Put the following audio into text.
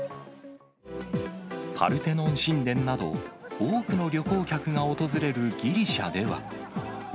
パルテノン神殿など、多くの旅行客が訪れるギリシャでは。